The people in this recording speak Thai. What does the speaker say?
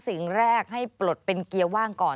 สิ่งแรกให้ปลดเป็นเกียร์ว่างก่อน